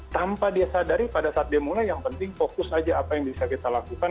tanpa dia sadari pada saat dia mulai yang penting fokus aja apa yang bisa kita lakukan